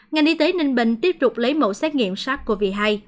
ngành y tế ninh bình tiếp tục lấy mẫu xét nghiệm sars cov hai